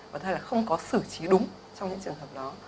và thay là không có sử trí đúng trong những trường hợp đó